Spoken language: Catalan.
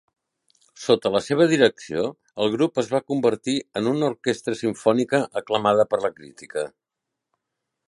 Sota la seva direcció el grup es va convertir en una orquestra simfònica aclamada per la crítica.